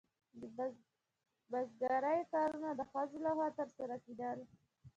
د بزګرۍ کارونه د ښځو لخوا ترسره کیدل.